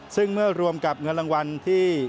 ซึ่งเมื่อรวมกับเงินรางวัลที่